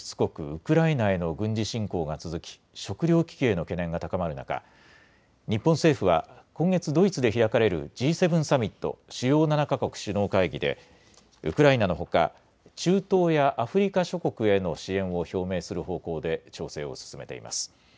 ウクライナへの軍事侵攻が続き食糧危機への懸念が高まる中、日本政府は今月、ドイツで開かれるＧ７サミット・主要７か国首脳会議でウクライナのほか中東やアフリカ諸国への支援を表明する方向で調整を進めています。